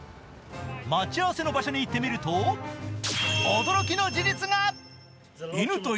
待ち合わせの場所に行ってみると、驚きの事実が。